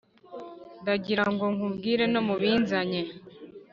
ndagirango nkubwire no mubinzanye